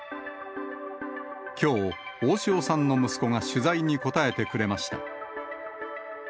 きょう、大塩さんの息子が取材に答えてくれました。